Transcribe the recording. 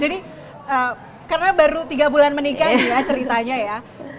jadi karena baru tiga bulan menikah ya ceritanya ya